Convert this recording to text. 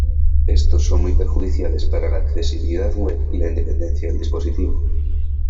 Estos son muy perjudiciales para la accesibilidad web y la independencia del dispositivo.